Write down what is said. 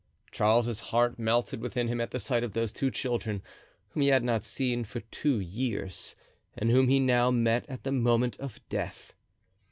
Charles's heart melted within him at the sight of those two children, whom he had not seen for two years and whom he now met at the moment of death.